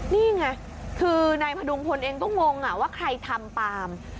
นี่ไงคือนายพดุงพลเองก็งงว่าใครทำตาม